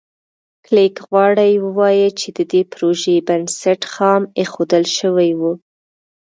کلېک غواړي ووایي چې د دې پروژې بنسټ خام ایښودل شوی و.